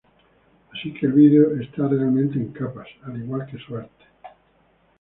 Así que el vídeo está realmente en capas, al igual que su arte.